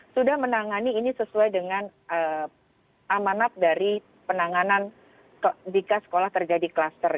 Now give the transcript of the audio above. sudah menangani ini sesuai dengan amanat dari penanganan jika sekolah terjadi klaster